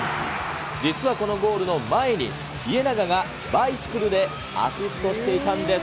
実はこのゴールの前に、家長がバイシクルでアシストしていたんです。